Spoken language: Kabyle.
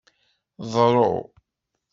Ḍru.